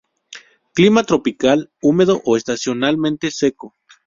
Clima tropical húmedo o estacionalmente seco.